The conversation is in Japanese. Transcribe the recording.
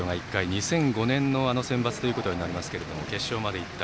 ２００５年のセンバツとなりますが決勝までいった。